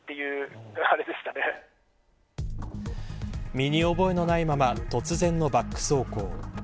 身に覚えのないまま突然のバック走行。